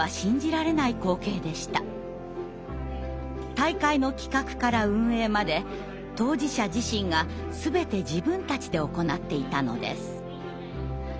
大会の企画から運営まで当事者自身が全て自分たちで行っていたのです。